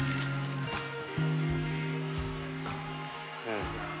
うん。